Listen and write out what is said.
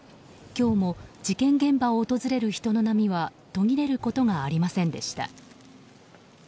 今日も事件現場を訪れる人の波は途切れることがありませんでした。